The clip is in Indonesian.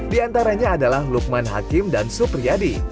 di antaranya adalah lukman hakim dan supriyadi